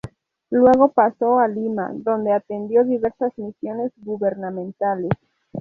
Luego pasó a Lima, donde atendió diversas misiones gubernamentales.